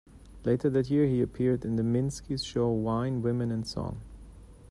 Later that year, he appeared in the Minsky's show Wine, Women and Song.